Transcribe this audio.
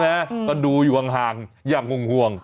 ใช่ไหมก็ดูอยู่ห่างอย่าห่วง